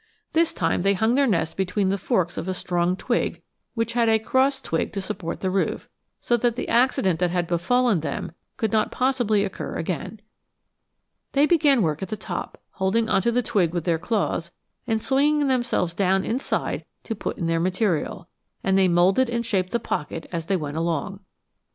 This time they hung their nest between the forks of a strong twig which had a cross twig to support the roof, so that the accident that had befallen them could not possibly occur again. They began work at the top, holding onto the twig with their claws and swinging themselves down inside to put in their material; and they moulded and shaped the pocket as they went along.